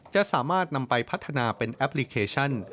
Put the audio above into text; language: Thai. จะสามารถนำไปพัฒนาเป็นแอปพลิเคชัน